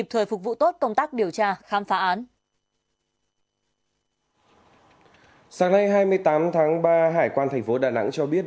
hai mươi tám tháng ba hải quan thành phố đà nẵng cho biết